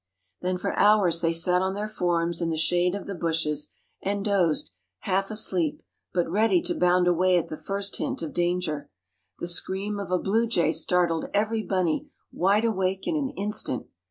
Then for hours they sat on their forms in the shade of the bushes and dozed, half asleep, but ready to bound away at the first hint of danger. The scream of a blue jay startled every bunny wide awake in an instant.